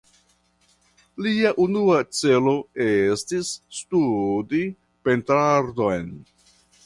Lia unua celo estis studi pentrarton.